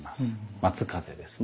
松風ですね。